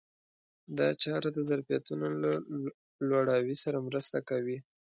دا چاره د ظرفیتونو له لوړاوي سره مرسته کوي.